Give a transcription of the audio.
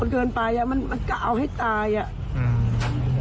เกินไปอ่ะมันมันก็เอาให้ตายอ่ะอืม